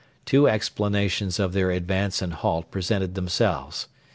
Two explanations of their advance and halt presented themselves.